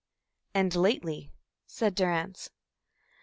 "And lately," said Durrance.